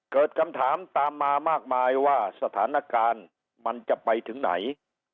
เกิดคำถามตามมามากมายว่าสถานการณ์มันจะไปถึงไหน